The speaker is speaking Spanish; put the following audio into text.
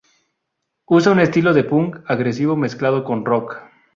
Usa un estilo de punk agresivo mezclado con rock.